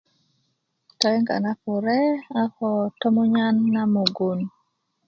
toyiŋga na kure a ko tomunyan na mugun